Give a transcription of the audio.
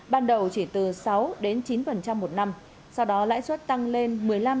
ban đầu chỉ từ sáu chín một năm sau đó lãi suất tăng lên một mươi năm ba mươi